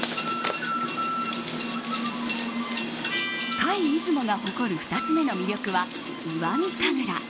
界出雲が誇る２つ目の魅力は石見神楽。